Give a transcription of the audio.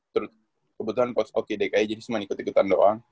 terus kebetulan coach hoki deh kayaknya jadi cuman ikut ikutan doang